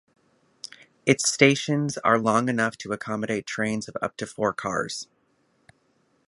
Its stations are long enough to accommodate trains of up to four cars.